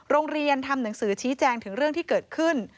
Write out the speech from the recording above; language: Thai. โรงเรียนทำหนังสือชี้แจงถึงเรื่องที่เกิดขึ้น